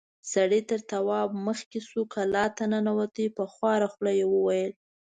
سړی تر توابه مخکې شو، کلا ته ننوت، په خواره خوله يې وويل: